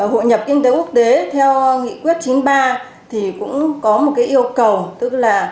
hội nhập kinh tế quốc tế theo nghị quyết chín mươi ba thì cũng có một yêu cầu